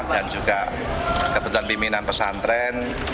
dan juga kebetulan pimpinan pesantren